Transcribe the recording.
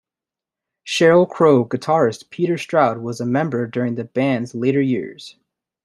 Sheryl Crow guitarist Peter Stroud was a member during the band's later years.